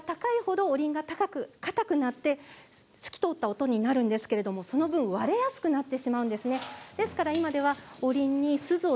すずの割合が高い程おりんがかたくなって透き通った音になるんですけれどその分割れやすくなってしまうんです。